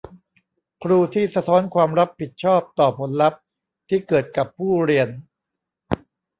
ครูที่สะท้อนความรับผิดชอบต่อผลลัพธ์ที่เกิดกับผู้เรียน